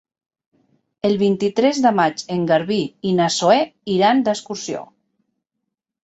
El vint-i-tres de maig en Garbí i na Zoè iran d'excursió.